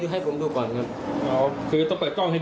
ให้ผมดูก่อนเท่านั้น